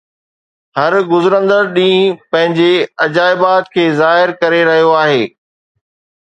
هر گذرندڙ ڏينهن پنهنجي عجائبات کي ظاهر ڪري رهيو آهي.